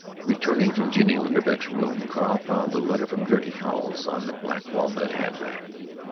Returning from Genie Linderbeck's room, Carl found a letter from Gertie Cowles on the black walnut hat rack.